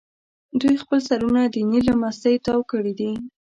دوی خپل سرونه د نیل له مستۍ تاو کړي دي.